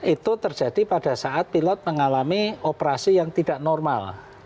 itu terjadi pada saat pilot mengalami operasi yang tidak normal